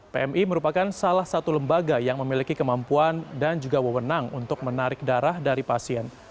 pmi merupakan salah satu lembaga yang memiliki kemampuan dan juga wewenang untuk menarik darah dari pasien